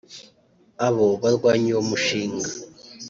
Abo barwanya uwo mushinga